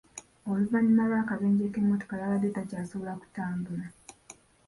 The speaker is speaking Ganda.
Oluvannyuma lw'akabenje k'emmotoka yabadde takyasobola kutambula.